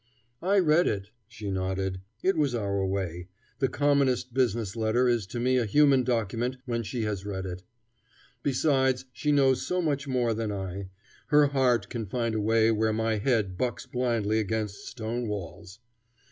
"I read it," she nodded. It was our way. The commonest business letter is to me a human document when she has read it. Besides, she knows so much more than I. Her heart can find a way where my head bucks blindly against stone walls.